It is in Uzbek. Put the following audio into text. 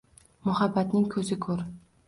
Muhabbatning ko`zi ko`r